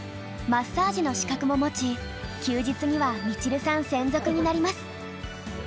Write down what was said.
マッサージの資格も持ち休日にはみちるさん専属になります。